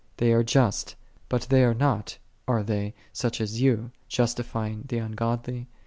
They are just: but they are not, are they, such as Thou, justifying the ungodly?